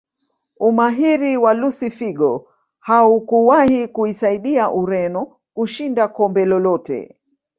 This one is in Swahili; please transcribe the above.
Umahiri wa Lusi figo haukuwahi kuisaidia Ureno kushinda kombe lolote